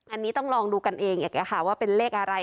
อันนี้ต้องลองดูกันเองอีกว่าเป็นเลขอะไร